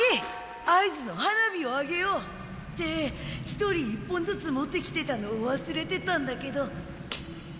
合図の花火をあげよう！って１人１本ずつ持ってきてたのわすれてたんだけど。